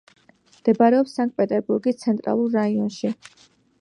მდებარეობს სანქტ-პეტერბურგის ცენტრალურ რაიონში.